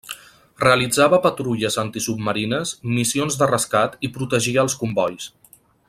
Realitzava patrulles antisubmarines, missions de rescat i protegia els combois.